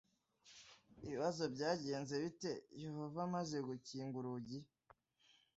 ibibazo byagenze bite yehova amaze gukinga urugi